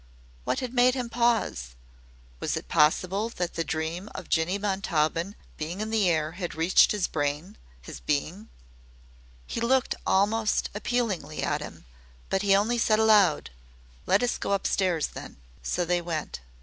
What had made him pause? Was it possible that the dream of Jinny Montaubyn being in the air had reached his brain his being? He looked almost appealingly at him, but he only said aloud: "Let us go upstairs, then." So they went.